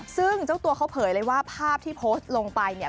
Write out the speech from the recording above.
ซึ่งเจ้าตัวเขาเผยเลยว่าภาพที่โพสต์ลงไปเนี่ย